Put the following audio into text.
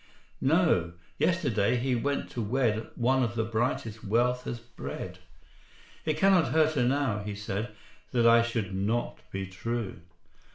"No: yesterday he went to wed One of the brightest wealth has bred. 'It cannot hurt her now,' he said, 'That I should not be true.'"